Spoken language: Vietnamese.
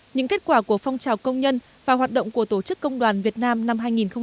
những kết quả của phong trào công nhân và hoạt động của tổ chức công đoàn việt nam năm hai nghìn một mươi chín